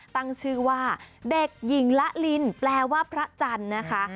ตั้งชื่อว่าเด็กหญิงละลินแปลว่าพระจันทร์นะคะ